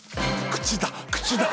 口だ